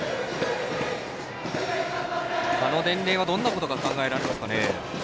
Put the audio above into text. あの伝令はどんなことが考えられますかね？